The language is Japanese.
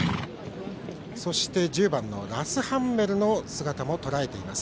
そして１０番ラスハンメルの姿もとらえています。